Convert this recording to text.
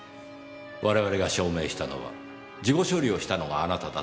我々が証明したのは事後処理をしたのがあなただという事です。